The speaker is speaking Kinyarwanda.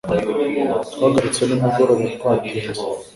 Twagarutse nimugoroba twatinze